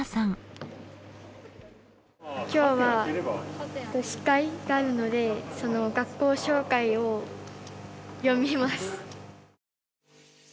今日は司会があるので学校紹介を読みます。